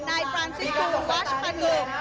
นายฟรานซิสคุณวาชภัณฑ์เงิน